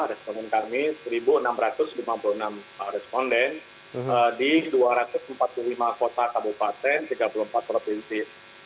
responden kami satu enam ratus lima puluh enam responden di dua ratus empat puluh lima kota kabupaten tiga puluh empat provinsi